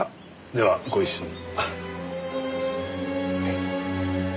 ではご一緒に。